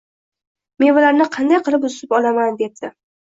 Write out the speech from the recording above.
Mevalarni qanday qilib uza olaman? – debdi